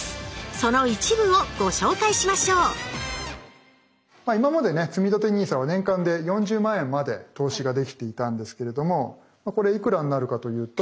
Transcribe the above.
その一部をご紹介しましょう今までねつみたてＮＩＳＡは年間で４０万円まで投資ができていたんですけれどもこれいくらになるかというと。